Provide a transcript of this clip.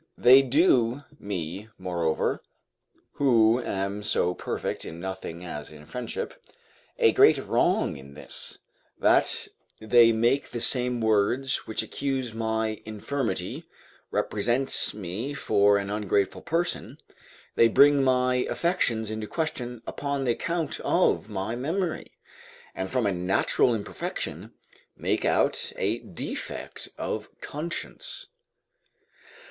They do, me, moreover (who am so perfect in nothing as in friendship), a great wrong in this, that they make the same words which accuse my infirmity, represent me for an ungrateful person; they bring my affections into question upon the account of my memory, and from a natural imperfection, make out a defect of conscience.